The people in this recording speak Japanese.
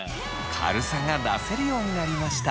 軽さが出せるようになりました。